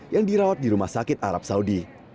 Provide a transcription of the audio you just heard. yang dirawat di rumah sakit arab saudi